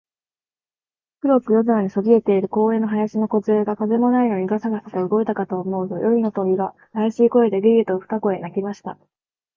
黒く夜空にそびえている公園の林のこずえが、風もないのにガサガサと動いたかと思うと、夜の鳥が、あやしい声で、ゲ、ゲ、と二声鳴きました。